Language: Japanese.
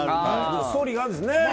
ストーリーがあるんですね。